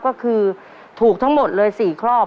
ก็คือถูกทั้งหมดเลย๔ข้อ